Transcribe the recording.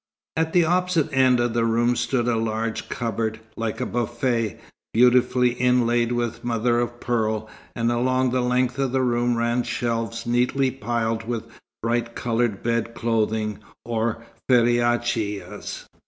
At the opposite end of the room stood a large cupboard, like a buffet, beautifully inlaid with mother o' pearl, and along the length of the room ran shelves neatly piled with bright coloured bed clothing, or ferrachiyas.